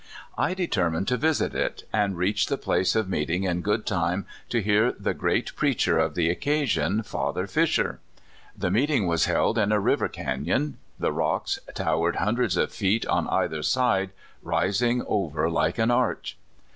I determined to visit it, and reached the place of meeting in good time to hear the great preacher of the occasion Father Fisher. The meeting was held in a river canon. The rocks towered hun dreds of feet on either side, rising over like an arch.